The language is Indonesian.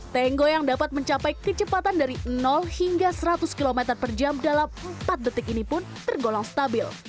tango yang dapat mencapai kecepatan dari hingga seratus km per jam dalam empat detik ini pun tergolong stabil